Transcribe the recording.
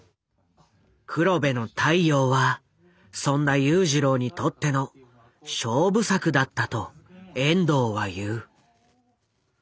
「黒部の太陽」はそんな裕次郎にとっての勝負作だったと遠藤は言う。